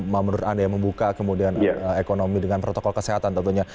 membuat anda membuka kemudian ekonomi dengan protokol kesehatan tentunya